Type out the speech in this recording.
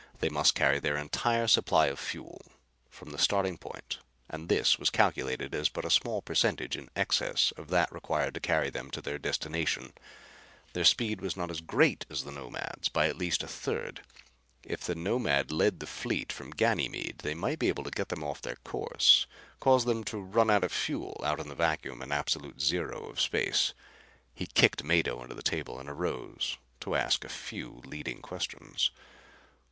They must carry their entire supply of fuel from the starting point and this was calculated as but a small percentage in excess of that required to carry them to their destinations. Their speed was not as great as the Nomad's by at least a third. If the Nomad led the fleet from Ganymede they might be able to get them off their course; cause them to run out of fuel out in the vacuum and absolute zero of space. He kicked Mado under the table and arose to ask a few leading questions.